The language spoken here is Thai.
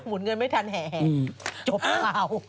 หมุนเงินไม่ทันแห่จบแล้ว